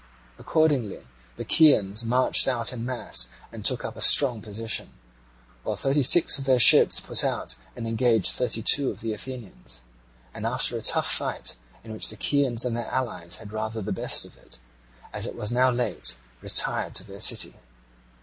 Accordingly the Chians marched out in mass and took up a strong position, while thirty six of their ships put out and engaged thirty two of the Athenians; and after a tough fight, in which the Chians and their allies had rather the best of it, as it was now late, retired to their city.